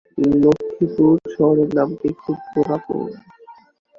লক্ষীপুর শহরের নামটি খুব পুরাতন।